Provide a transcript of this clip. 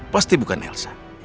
pasti bukan elsa